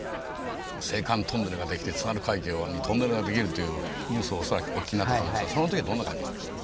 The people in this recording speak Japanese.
青函トンネルができて津軽海峡にトンネルができるというニュースを恐らくお聞きになったと思うんですがその時はどんな感じしました？